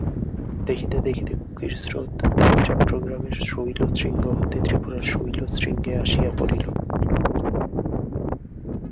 দেখিতে দেখিতে কুকির স্রোত চট্টগ্রামের শৈলশৃঙ্গ হইতে ত্রিপুরার শৈলশৃঙ্গে আসিয়া পড়িল।